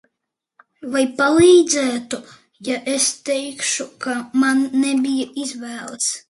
Vai palīdzētu, ja es teikšu, ka man nebija izvēles?